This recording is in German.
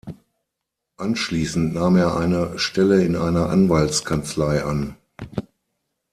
Anschließend nahm er eine Stelle in einer Anwaltskanzlei an.